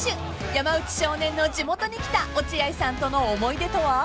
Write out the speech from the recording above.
［山内少年の地元に来た落合さんとの思い出とは？］